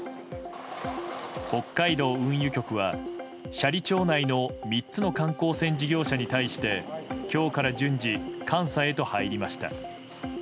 北海道運輸局は斜里町内の３つの観光船事業者に対して今日から順次監査へと入りました。